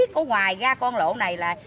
có ngoài ra con lỗ này là